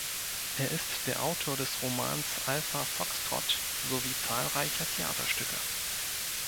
Er ist der Autor des Romans „Alpha Foxtrot“ sowie zahlreicher Theaterstücke.